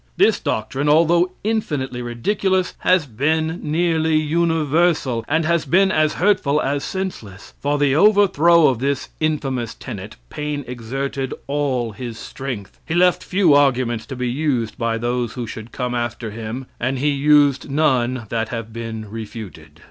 This doctrine, although infinitely ridiculous, has been nearly universal, and has been as hurtful as senseless. For the overthrow of this infamous tenet, Paine exerted all his strength. He left few arguments to be used by those who should come after him, and he used none that have been refuted.